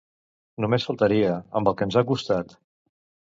Només faltaria, amb el que ens ha costat!